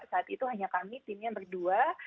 saat itu hanya kami timnya berdua